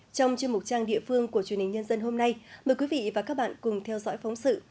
trong chương mục trang địa phương của truyền hình nhân dân hôm nay mời quý vị và các bạn cùng theo dõi phóng sự